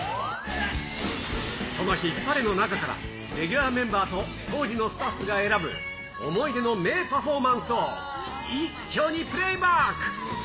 そのヒッパレの中から、レギュラーメンバーと当時のスタッフが選ぶ思い出の名パフォーマンスを、一挙にプレイバック。